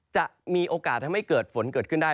จะมีโอกาสทำให้เกิดฝนเกิดขึ้นได้